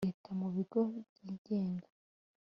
Leta mu bigo byigenga